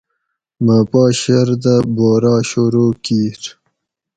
مۤہ پا شردہ بورا شورو کِیر